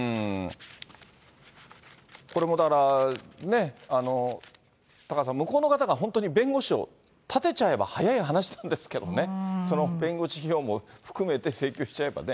これもだから、ね、タカさん、向こうの方が本当に弁護士を立てちゃえば早い話なんですけどね、その弁護士費用も含めて請求しちゃえばね。